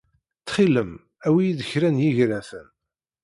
Ttxil-m, awi-iyi-d kra n yigraten.